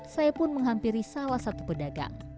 saya pun menghampiri salah satu pedagang